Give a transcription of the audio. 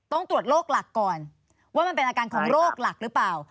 ต้องตรวจโรคหลักก่อนว่ามันเป็นอาการของโรคหลักหรือเปล่า